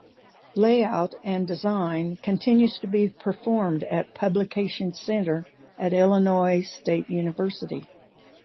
Layout and design continues to be performed at Publications Center at Illinois State University.